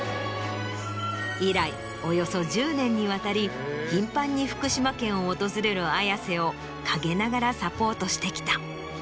以来およそ１０年にわたり頻繁に福島県を訪れる綾瀬を陰ながらサポートしてきた。